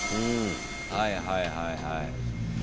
はいはいはいはい。